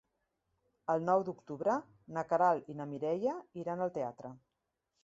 El nou d'octubre na Queralt i na Mireia iran al teatre.